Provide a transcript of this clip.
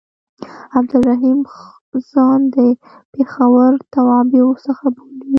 عبدالرحیم ځان د پېښور د توابعو څخه بولي.